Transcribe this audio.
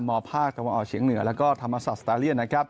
มภาคตอเฉียงเหนือแล้วก็ธรรมศาสตราเลียน